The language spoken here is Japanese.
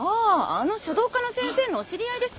あの書道家の先生のお知り合いです。